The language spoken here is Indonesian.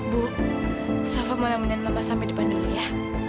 bu sava mau temenin mama sampai depan dulu ya